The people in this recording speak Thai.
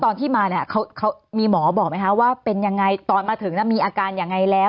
ตอนที่มาเนี่ยเขามีหมอบอกไหมคะว่าเป็นยังไงตอนมาถึงมีอาการยังไงแล้ว